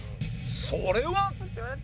それは